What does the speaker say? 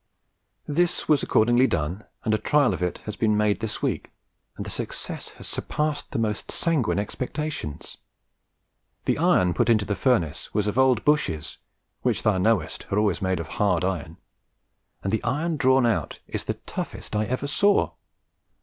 This was accordingly done, and a trial of it has been made this week, and the success has surpassed the most sanguine expectations. The iron put into the furnace was old Bushes, which thou knowest are always made of hard iron, and the iron drawn out is the toughest I ever saw.